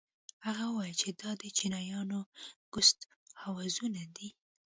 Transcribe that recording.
هغه وويل چې دا د چينايانو ګسټ هوزونه دي.